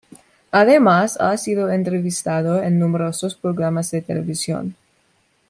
Además, ha sido entrevistado en numerosos programas de televisión.